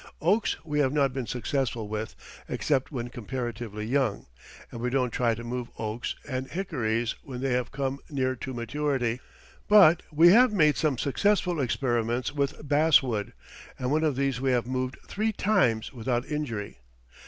Oaks we have not been successful with except when comparatively young, and we don't try to move oaks and hickories when they have come near to maturity; but we have made some successful experiments with bass wood, and one of these we have moved three times without injury.